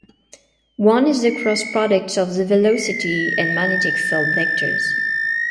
One is the cross product of the velocity and magnetic field vectors.